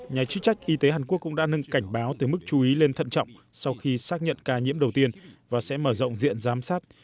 nhà chức trách y tế hàn quốc cũng đã nâng cảnh báo từ mức chú ý lên thận trọng sau khi xác nhận ca nhiễm đầu tiên và sẽ mở rộng diện giám sát